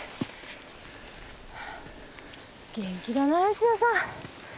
元気だな吉田さん。